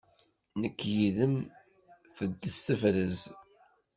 Nekk yid-m teddez tebrez.